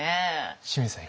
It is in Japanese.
清水さん